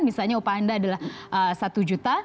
misalnya upah anda adalah satu juta